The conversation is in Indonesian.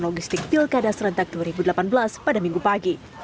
logistik pilkada serentak dua ribu delapan belas pada minggu pagi